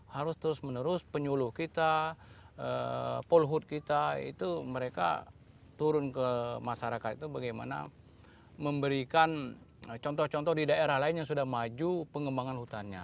harus terus menerus penyuluh kita polhut kita itu mereka turun ke masyarakat itu bagaimana memberikan contoh contoh di daerah lain yang sudah maju pengembangan hutannya